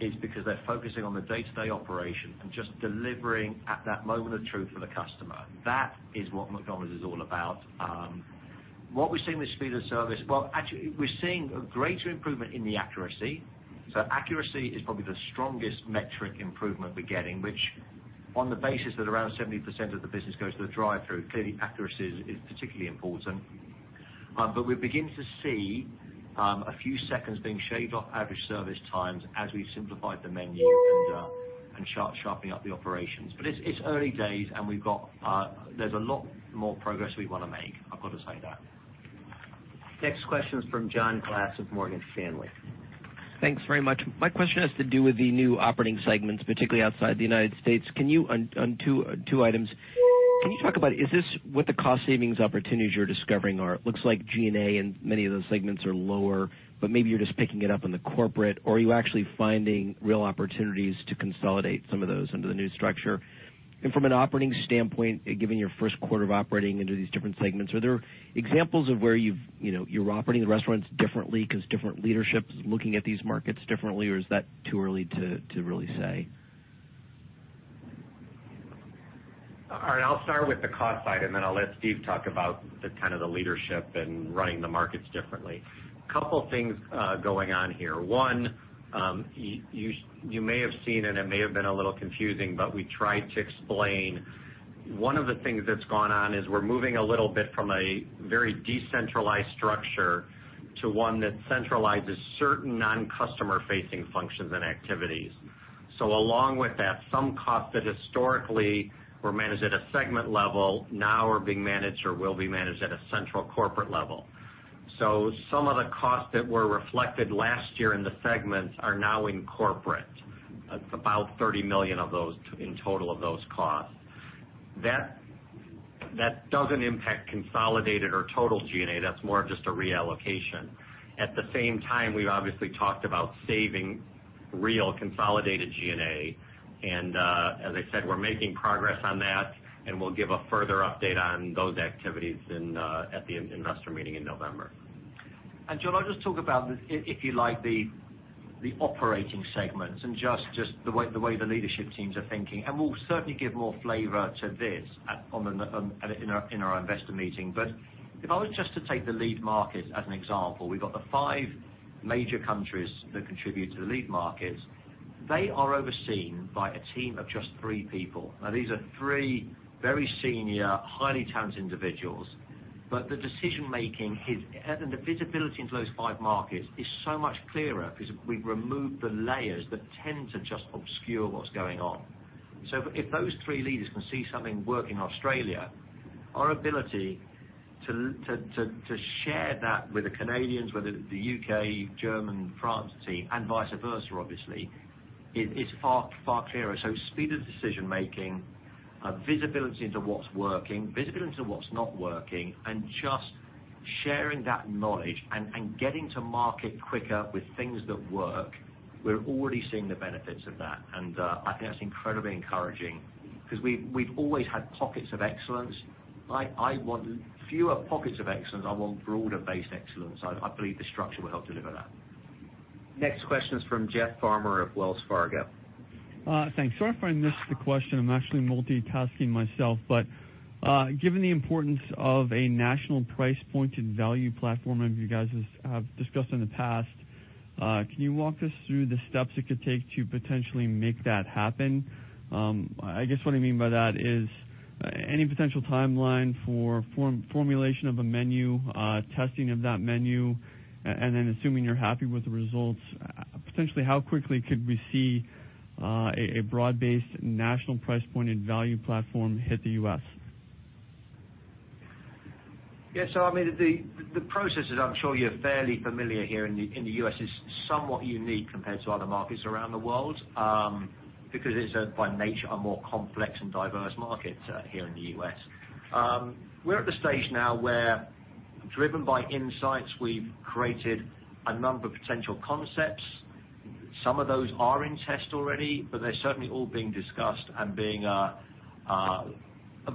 world is because they're focusing on the day-to-day operation and just delivering at that moment of truth for the customer. That is what McDonald's is all about. What we're seeing with speed of service, well, actually, we're seeing a greater improvement in the accuracy. Accuracy is probably the strongest metric improvement we're getting, which on the basis that around 70% of the business goes to the drive-thru, clearly accuracy is particularly important. We're beginning to see a few seconds being shaved off average service times as we've simplified the menu and sharpening up the operations. It's early days, and there's a lot more progress we want to make. I've got to say that. Next question is from John Glass of Morgan Stanley. Thanks very much. My question has to do with the new operating segments, particularly outside the United States. On two items. Can you talk about, is this what the cost savings opportunities you're discovering are? It looks like G&A and many of those segments are lower, but maybe you're just picking it up in the corporate. Are you actually finding real opportunities to consolidate some of those under the new structure? From an operating standpoint, giving your first quarter of operating into these different segments, are there examples of where you're operating the restaurants differently because different leadership is looking at these markets differently, or is that too early to really say? All right. I'll start with the cost side, and then I'll let Steve talk about the kind of the leadership and running the markets differently. A couple things going on here. One, you may have seen, and it may have been a little confusing, but we tried to explain one of the things that's gone on is we're moving a little bit from a very decentralized structure to one that centralizes certain non-customer facing functions and activities. Along with that, some costs that historically were managed at a segment level now are being managed or will be managed at a central corporate level. Some of the costs that were reflected last year in the segments are now in corporate. It's about $30 million of those in total of those costs. That doesn't impact consolidated or total G&A. That's more of just a reallocation. At the same time, we've obviously talked about saving real consolidated G&A, and, as I said, we're making progress on that, and we'll give a further update on those activities at the investor meeting in November. John, I'll just talk about, if you like, the operating segments and just the way the leadership teams are thinking. We'll certainly give more flavor to this in our investor meeting. If I was just to take the lead markets as an example, we've got the five major countries that contribute to the lead markets. They are overseen by a team of just three people. Now, these are three very senior, highly talented individuals. The decision-making and the visibility into those five markets is so much clearer because we've removed the layers that tend to just obscure what's going on. If those three leaders can see something work in Australia, our ability to share that with the Canadians, whether the U.K., German, France team, and vice versa, obviously, is far clearer. Speed of decision making, visibility into what's working, visibility into what's not working, and just sharing that knowledge and getting to market quicker with things that work, we're already seeing the benefits of that. I think that's incredibly encouraging because we've always had pockets of excellence. I want fewer pockets of excellence. I want broader-based excellence. I believe this structure will help deliver that. Next question is from Jeff Farmer of Wells Fargo. Thanks. Sorry if I missed the question. I'm actually multitasking myself. Given the importance of a national price point and value platform, as you guys have discussed in the past, can you walk us through the steps it could take to potentially make that happen? I guess what I mean by that is any potential timeline for formulation of a menu, testing of that menu, and then assuming you're happy with the results, potentially how quickly could we see a broad-based national price point and value platform hit the U.S.? Yeah. The processes, I'm sure you're fairly familiar here in the U.S., is somewhat unique compared to other markets around the world, because it's by nature, a more complex and diverse market here in the U.S. We're at the stage now where, driven by insights, we've created a number of potential concepts. Some of those are in test already, but they're certainly all being discussed and being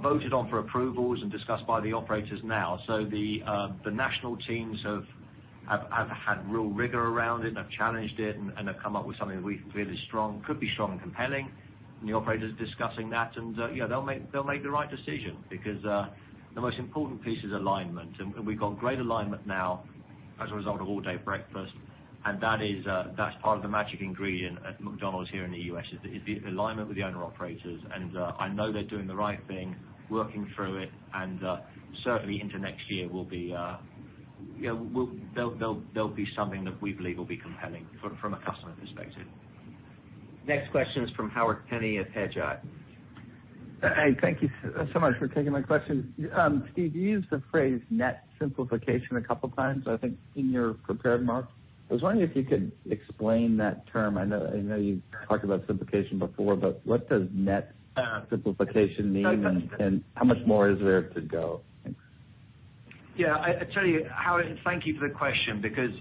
voted on for approvals and discussed by the operators now. The national teams have had real rigor around it and have challenged it and have come up with something we feel is strong, could be strong and compelling, and the operator's discussing that. They'll make the right decision because the most important piece is alignment. We've got great alignment now as a result of all-day breakfast, and that's part of the magic ingredient at McDonald's here in the U.S., is the alignment with the owner-operators. I know they're doing the right thing, working through it, and certainly into next year, there'll be something that we believe will be compelling from a customer perspective. Next question is from Howard Penney at Hedgeye. Hey, thank you so much for taking my question. Steve, you used the phrase net simplification a couple times, I think in your prepared remarks. I was wondering if you could explain that term. I know you have talked about simplification before, but what does net simplification mean, and how much more is there to go? Thanks. I tell you, Howard, thank you for the question because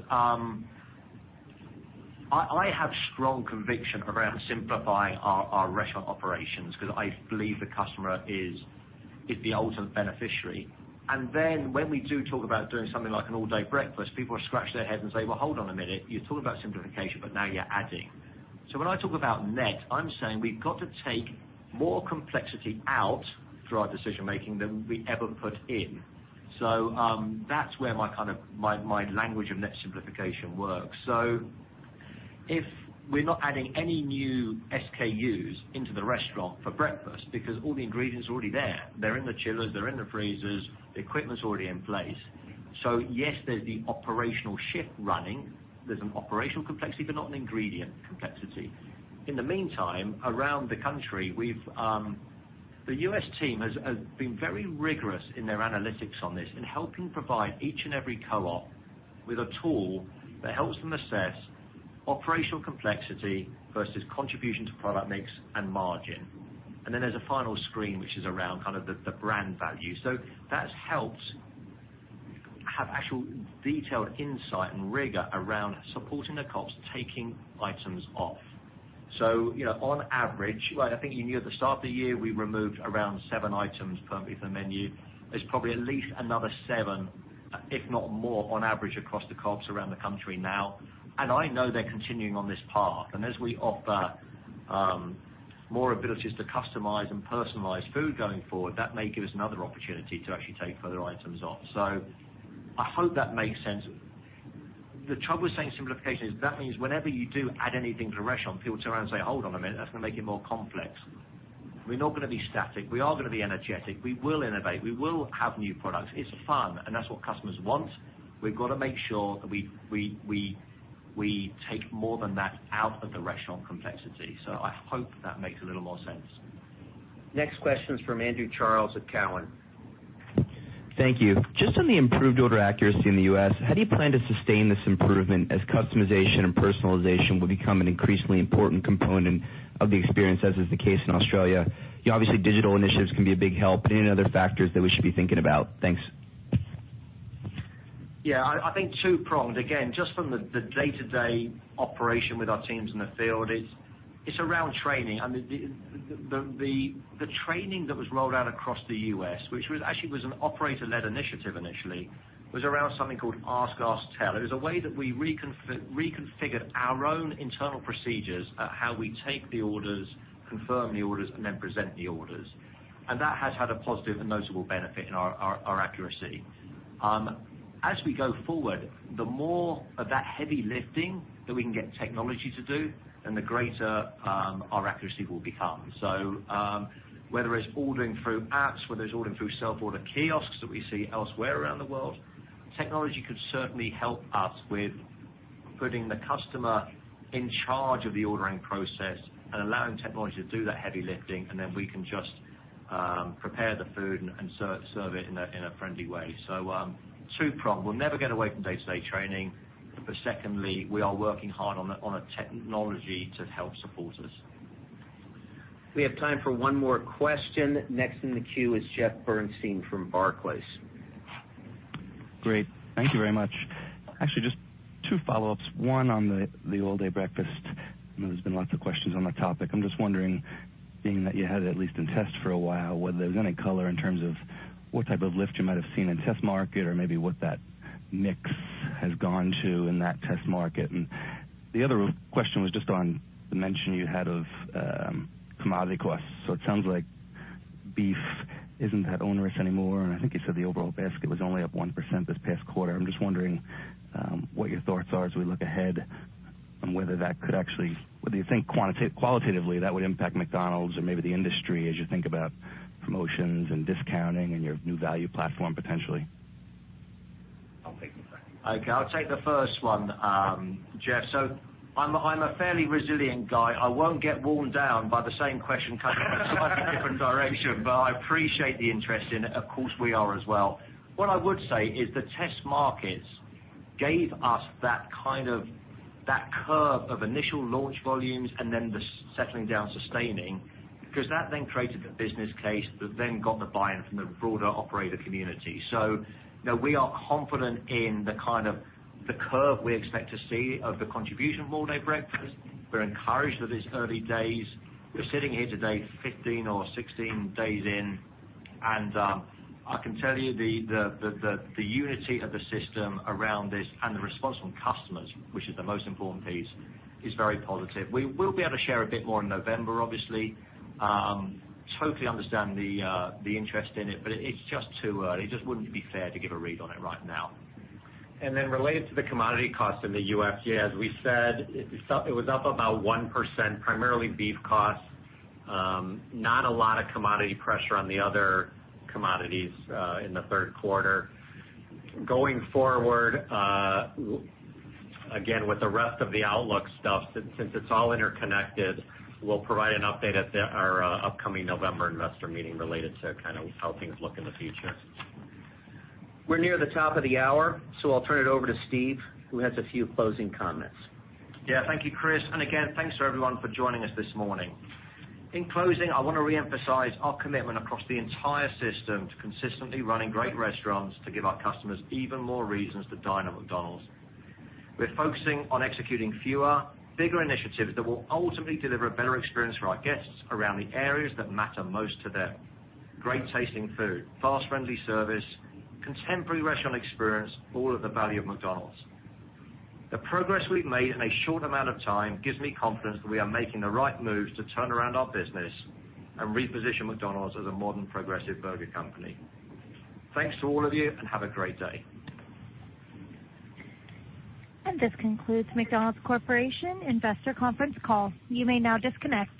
I have strong conviction around simplifying our restaurant operations because I believe the customer is the ultimate beneficiary. When we do talk about doing something like an all-day breakfast, people will scratch their heads and say, "Well, hold on a minute. You talk about simplification, but now you're adding." When I talk about net, I'm saying we've got to take more complexity out through our decision making than we ever put in. That's where my language of net simplification works. If we're not adding any new SKUs into the restaurant for breakfast because all the ingredients are already there. They're in the chillers. They're in the freezers. The equipment's already in place. Yes, there's the operational shift running. There's an operational complexity, but not an ingredient complexity. In the meantime, around the country, the U.S. team has been very rigorous in their analytics on this, in helping provide each and every co-op with a tool that helps them assess operational complexity versus contribution to product mix and margin. There's a final screen, which is around the brand value. That's helped have actual detailed insight and rigor around supporting the co-ops taking items off. On average, I think you knew at the start of the year, we removed around seven items permanently from the menu. There's probably at least another seven, if not more, on average, across the co-ops around the country now, and I know they're continuing on this path. As we offer more abilities to customize and personalize food going forward, that may give us another opportunity to actually take further items off. I hope that makes sense. The trouble with saying simplification is that means whenever you do add anything to a restaurant, people turn around and say, "Hold on a minute, that's going to make it more complex." We're not going to be static. We are going to be energetic. We will innovate. We will have new products. It's fun, and that's what customers want. We've got to make sure that we take more than that out of the restaurant complexity. I hope that makes a little more sense. Next question is from Andrew Charles at Cowen. Thank you. Just on the improved order accuracy in the U.S., how do you plan to sustain this improvement as customization and personalization will become an increasingly important component of the experience, as is the case in Australia? Obviously, digital initiatives can be a big help. Any other factors that we should be thinking about? Thanks. Yeah. I think two-pronged. Again, just from the day-to-day operation with our teams in the field, it's around training. The training that was rolled out across the U.S., which actually was an operator-led initiative initially, was around something called Ask, Tell. It was a way that we reconfigured our own internal procedures at how we take the orders, confirm the orders, and then present the orders. That has had a positive and noticeable benefit in our accuracy. As we go forward, the more of that heavy lifting that we can get technology to do, then the greater our accuracy will become. Whether it's ordering through apps, whether it's ordering through self-order kiosks that we see elsewhere around the world, technology can certainly help us with putting the customer in charge of the ordering process and allowing technology to do that heavy lifting. We can just prepare the food and serve it in a friendly way. Two-prong. We'll never get away from day-to-day training. Secondly, we are working hard on a technology to help support us. We have time for one more question. Next in the queue is Jeffrey Bernstein from Barclays. Great. Thank you very much. Actually, just two follow-ups. One on the All Day Breakfast. I know there's been lots of questions on the topic. I'm just wondering, being that you had it at least in test for a while, whether there's any color in terms of what type of lift you might have seen in test market or maybe what that mix has gone to in that test market. The other question was just on the mention you had of commodity costs. It sounds like beef isn't that onerous anymore, and I think you said the overall basket was only up 1% this past quarter. I'm just wondering what your thoughts are as we look ahead on whether you think qualitatively that would impact McDonald's or maybe the industry as you think about promotions and discounting and your new value platform potentially. Okay. I'll take the first one, Jeff. I'm a fairly resilient guy. I won't get worn down by the same question coming from a slightly different direction, but I appreciate the interest in it. Of course, we are as well. What I would say is the test markets gave us that curve of initial launch volumes and then the settling down, sustaining, because that then created the business case that then got the buy-in from the broader operator community. We are confident in the kind of the curve we expect to see of the contribution of All Day Breakfast. We're encouraged that it's early days. We're sitting here today, 15 or 16 days in. I can tell you the unity of the system around this and the response from customers, which is the most important piece, is very positive. We will be able to share a bit more in November, obviously. Totally understand the interest in it, but it's just too early. It just wouldn't be fair to give a read on it right now. Related to the commodity costs in the U.S., as we said, it was up about 1%, primarily beef costs. Not a lot of commodity pressure on the other commodities in the third quarter. Going forward, again, with the rest of the outlook stuff, since it's all interconnected, we'll provide an update at our upcoming November investor meeting related to kind of how things look in the future. We're near the top of the hour, I'll turn it over to Steve, who has a few closing comments. Yeah. Thank you, Chris. Again, thanks to everyone for joining us this morning. In closing, I want to reemphasize our commitment across the entire system to consistently running great restaurants to give our customers even more reasons to dine at McDonald's. We're focusing on executing fewer, bigger initiatives that will ultimately deliver a better experience for our guests around the areas that matter most to them. Great tasting food, fast, friendly service, contemporary restaurant experience, all at the value of McDonald's. The progress we've made in a short amount of time gives me confidence that we are making the right moves to turn around our business and reposition McDonald's as a modern, progressive burger company. Thanks to all of you, and have a great day. This concludes McDonald's Corporation Investor Conference Call. You may now disconnect.